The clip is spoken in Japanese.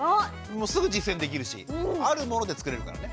もうすぐ実践できるしあるもので作れるからね。